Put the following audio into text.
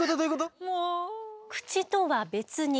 口とは別に消化